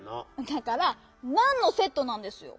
だから「ナンのセット」なんですよ！